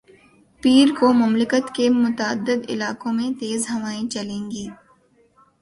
پیر کو مملکت کے متعدد علاقوں میں تیز ہوائیں چلیں گی